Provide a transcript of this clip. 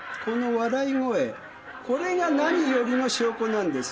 これが何よりの証拠なんです。